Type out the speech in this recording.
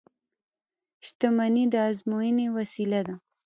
• شتمني د ازموینې وسیله ده.